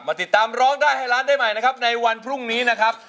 ติดตามร้องได้ให้ล้านได้ใหม่นะครับในวันพรุ่งนี้นะครับ